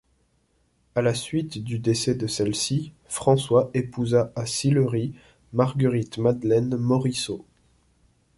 À la suite du décès de celle-ci, François épousa à Sillery, Marguerite Madeleine Morisseau.